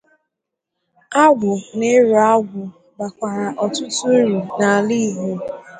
Agwụ na ịrụ agwụ bàkwàrà ọtụtụ uru n'ala Igbo